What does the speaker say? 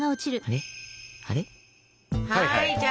はい！